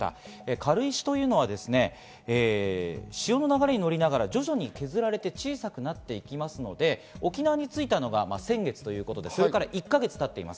軽石というのは潮の流れに乗りながら、徐々に削られ小さくなっていきますので、沖縄に着いたのが先月ということで、それから１か月経っています。